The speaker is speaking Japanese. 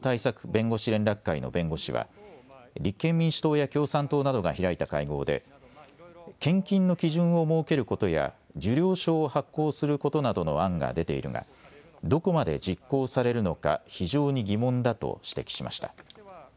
弁護士連絡会の弁護士は立憲民主党や共産党などが開いた会合で献金の基準を設けることや受領証を発行することなどの案が出ているがどこまで実行されるのか非常に疑問だと指摘しました。